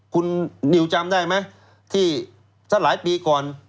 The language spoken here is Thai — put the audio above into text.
คุณนิวจำได้ไหมที่ถ้าหลายปีก่อน